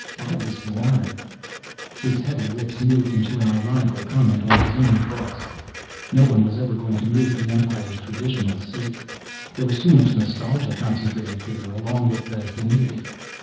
Out of this warren. His heavy lips moved into an ironical comment on his own thoughts. No one was ever going to move the empire's traditional seat. There was too much nostalgia concentrated here, along with the humidity.